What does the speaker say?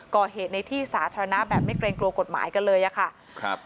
ก่อเหตุในที่สาธารณะแบบไม่เกรงกลัวกฎหมายกันเลยอะค่ะครับ